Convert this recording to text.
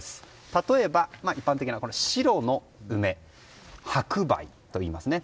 例えば、一般的な白の梅白梅といいますね。